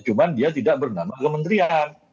cuma dia tidak bernama kementerian